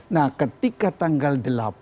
nah ketika tanggal delapan